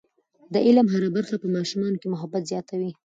د علم هره برخه په ماشومانو کې محبت زیاتوي.